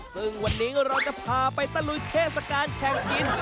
ซึ่งวันนี้เราจะพาไปตะลุยเทศกาลแข่งกิน